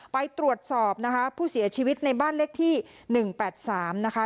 ไปตรวจสอบนะคะผู้เสียชีวิตในบ้านเลขที่๑๘๓นะคะ